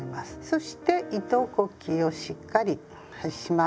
そして糸こきをしっかりします。